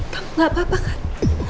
kamu gak apa apa kan